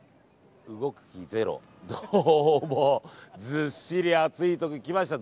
ずっしり暑いところ来ました。